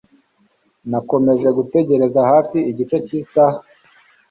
Nakomeje gutegereza hafi igice cy'isaha.